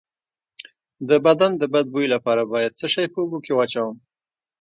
د بدن د بد بوی لپاره باید څه شی په اوبو کې واچوم؟